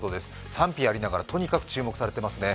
賛否ありながら、とにかく注目されていますね。